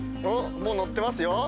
もう乗ってますよ。